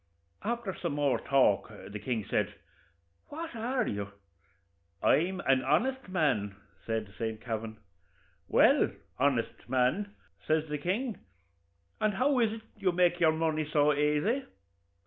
After some more talk the king says, 'What are you?' 'I'm an honest man,' says Saint Kavin. 'Well, honest man,' says the king, 'and how is it you make your money so aisy?'